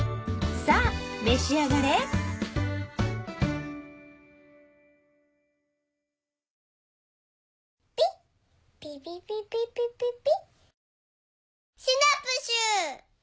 さぁ召し上がれピッピピピピピピピ。